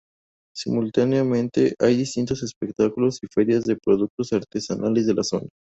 Simultáneamente hay distintos espectáculos y ferias de productos artesanales de la zona.